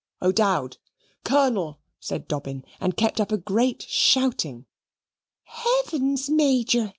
"O'Dowd Colonel!" said Dobbin and kept up a great shouting. "Heavens, Meejor!"